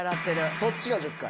そっちが１０回？